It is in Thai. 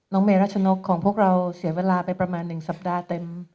เมรัชนกของพวกเราเสียเวลาไปประมาณ๑สัปดาห์เต็ม